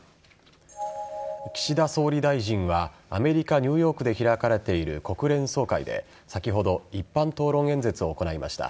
岸田総理大臣はアメリカ・ニューヨークで開かれている国連総会で先ほど一般討論演説を行いました。